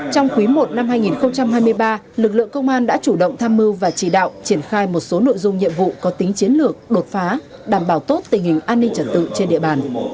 trong quý i năm hai nghìn hai mươi ba lực lượng công an đã chủ động tham mưu và chỉ đạo triển khai một số nội dung nhiệm vụ có tính chiến lược đột phá đảm bảo tốt tình hình an ninh trật tự trên địa bàn